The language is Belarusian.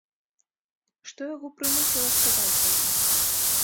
Што яго прымусіла сказаць гэта?